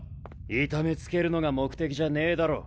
痛めつけるのが目的じゃねえだろ。